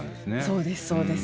そうですそうです。